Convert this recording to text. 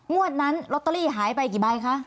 นั้นลอตเตอรี่หายไปกี่ใบคะ